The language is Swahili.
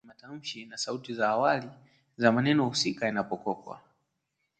ambapo viambishi awali vya ngeli vinakubaliana kimatamshi na sauti za awali za maneno husika yanayokopwa